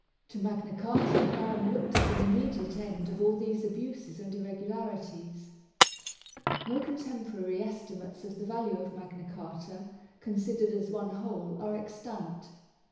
To Magna Carta the baron looked as an immediate end of all these abuses and irregularities. No contemporary estimates of the value of Magna Carta, considered as one whole, are extant.